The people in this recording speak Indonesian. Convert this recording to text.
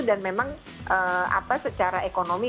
dan memang apa secara ekonomi